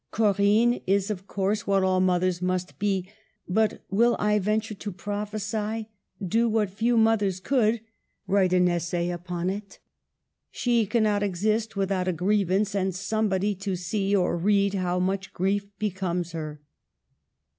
... 'Corinne' is, of course, what all mothers must be, but will, I venture to prophesy, do what few mothers could — write an essay upon it. She can not exist without a grievance and somebody to see or read how much grief becomes her."